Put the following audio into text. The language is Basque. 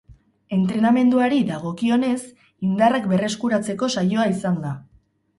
Entrenamenduari dagokionez, indarrak berreskuratzeko saioa izan da.